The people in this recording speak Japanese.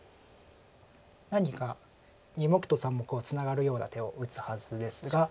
何か２目と３目をツナがるような手を打つはずですが。